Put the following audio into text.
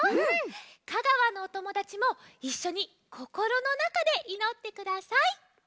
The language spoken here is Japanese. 香川のおともだちもいっしょにこころのなかでいのってください。